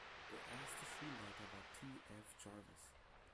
Der erste Schulleiter war T F Jarvis.